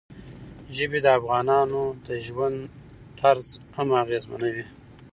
ژبې د افغانانو د ژوند طرز هم اغېزمنوي.